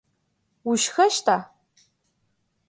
Ушхэщта?